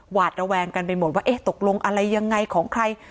หวาดระแวงกันไปหมดว่าเอ๊ะตกลงอะไรยังไงของใคร